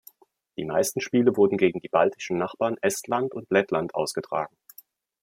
Die meisten Spiele wurden gegen die baltischen Nachbarn Estland und Lettland ausgetragen.